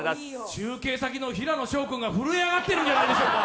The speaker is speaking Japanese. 中継先の平野紫耀君が震え上がってるんじゃないでしょうか。